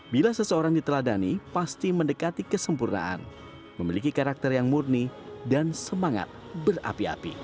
bila seseorang diteladani pasti mendekati kesempurnaan memiliki karakter yang murni dan semangat berapi api